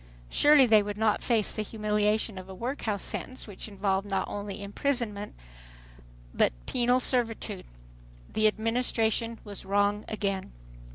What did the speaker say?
Surely they would not face the humiliation of a workhouse sentence which involved not only imprisonment but penal servitude! The Administration was wrong again.